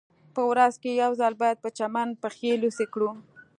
په ورځ کې یو ځل باید په چمن پښې لوڅې کړو